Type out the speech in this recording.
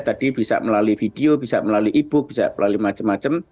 tadi bisa melalui video bisa melalui e book bisa melalui macam macam